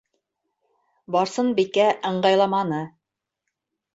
Барсынбикә ыңғайламаны.